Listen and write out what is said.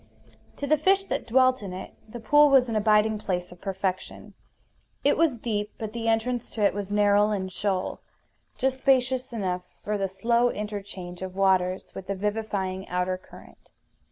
To the fish that dwelt in it the pool was an abiding place of perfection. It was deep; but the entrance to it was narrow and shoal, just spacious enough for the slow interchange of waters with the vivifying outer current.